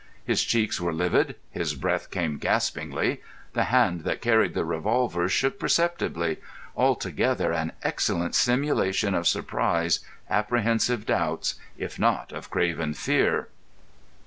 His cheeks were livid, his breath came gaspingly, the hand that carried the revolver shook perceptibly—altogether an excellent simulation of surprise, apprehensive doubts, if not of craven fear.